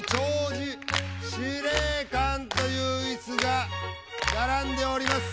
弔辞司令官というイスが並んでおります。